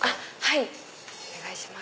はいお願いします。